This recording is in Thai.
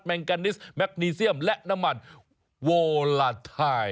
งกานิสแมคนีเซียมและน้ำมันโวลาไทย